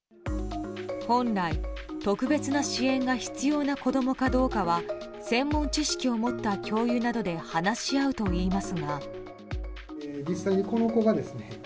本来、特別な支援が必要な子供かどうかは専門知識を持った教諭などで話し合うといいますが。